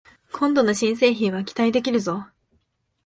今度の新製品は期待できるぞ